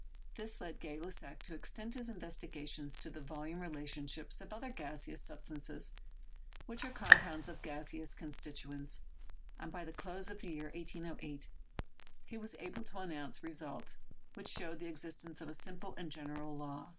This led Gay Lussac to extend his investigations to the volume relations of other gaseous substances which are compounds of gaseous constituents, and by the close of the year 1808 he was able to announce results which showed the existence of a simple and general law.